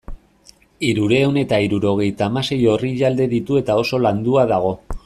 Hirurehun eta hirurogeita hamasei orrialde ditu eta oso landua dago.